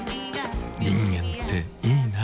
人間っていいナ。